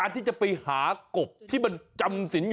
ตัวใหญ่